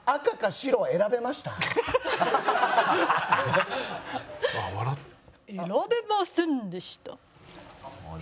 選べませんでした。